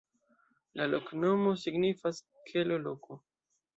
La loknomo signifas: kelo-loko.